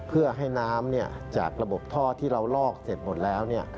เพื่อให้น้ำจากระบบท่อที่เราลอกเสร็จหมดแล้ว